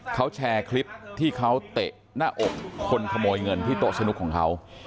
เขาแชร์คลิปที่เขาเตะหน้าอกคนขโมยเงินที่โต๊ะสนุกของเขา